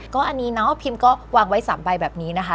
ก็อันนี้เนาะพิมก็วางไว้๓ใบแบบนี้นะคะ